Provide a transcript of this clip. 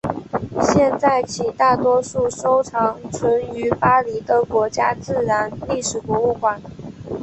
现在起大多数收藏存于巴黎的国家自然历史博物馆。